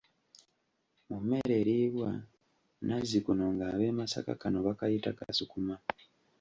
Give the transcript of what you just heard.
Mu mmere eriibwa nazzikuno nga ab'e Masaka kano bakayita kasukuma.